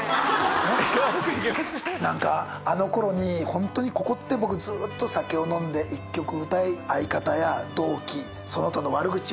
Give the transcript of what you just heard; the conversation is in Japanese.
何かあの頃に本当にここってずっと酒を飲んで１曲歌い相方や同期その他の悪口を言う。